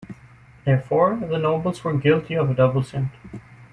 Therefore, the nobles were guilty of a double sin.